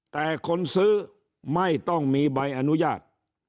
แต่คนซื้อไม่ต้องมีใบอนุญาต